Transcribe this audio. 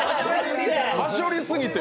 はしょりすぎて。